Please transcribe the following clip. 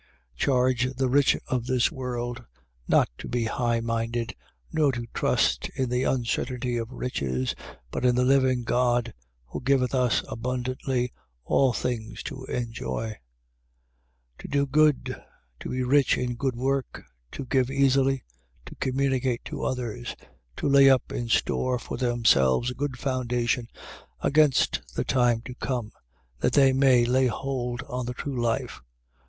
6:17. Charge the rich of this world not to be highminded nor to trust in the uncertainty of riches, but in the living God (who giveth us abundantly all things to enjoy) 6:18. To do good, to be rich in good work, to give easily, to communicate to others, 6:19. To lay up in store for themselves a good foundation against the time to come, that they may lay hold on the true life.